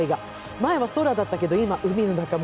前は空だったけど、今は海の中も。